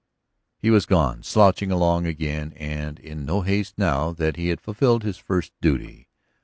He was gone, slouching along again and in no haste now that he had fulfilled his first duty.